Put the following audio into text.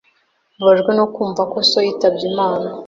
Mbabajwe no kumva ko so yitabye Imana.